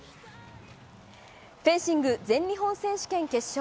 フェンシング、全日本選手権決勝。